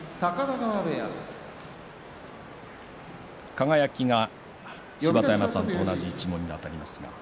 輝が芝田山さんと同じ一門にあたります。